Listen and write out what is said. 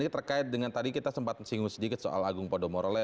sehingga tadi kita sempat singgung sedikit soal agung podomorole